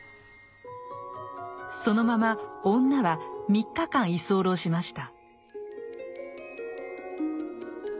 そのまま女は３日間居候しました。